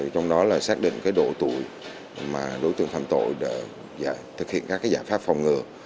trong đó là xác định độ tội mà đối tượng phạm tội thực hiện các giải pháp phòng ngừa